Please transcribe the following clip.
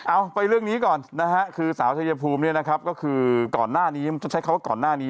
อ้าวไปเรื่องนี้ก่อนสาวชัยภูมิคือก่อนหน้านี้